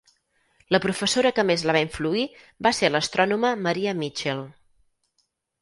La professora que més la va influir va ser l'astrònoma Maria Mitchell.